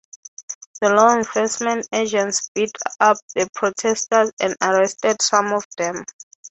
The law enforcement agents beat up the protesters and arrested some of them.